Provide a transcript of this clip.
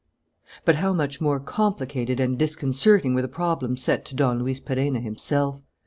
But how much more complicated and disconcerting were the problems set to Don Luis Perenna himself!